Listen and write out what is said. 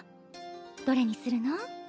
どれにするの？